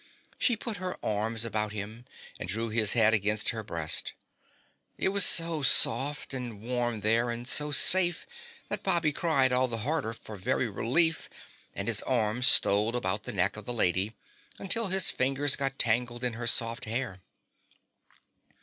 She put her arms about him and drew his head against her breast. It was so soft and warm there and so safe that Bobby cried all the harder for very relief and his arms stole about the neck of the lady until his fingers got tangled in her soft hair.